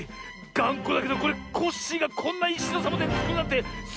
がんこだけどこれコッシーがこんないしのサボテンつくるなんてすごい。